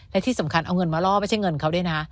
และที่สำคัญเอาเงินมาล่อไม่ใช่เงินเขาด้วยนะ